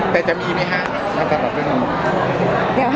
แต่จะมีไหมฮะ